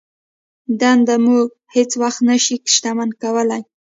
دنده مو هېڅ وخت نه شي شتمن کولای.